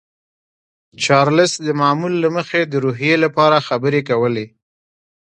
چارلیس د معمول له مخې د روحیې لپاره خبرې کولې